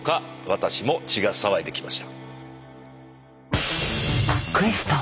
私も血が騒いできました。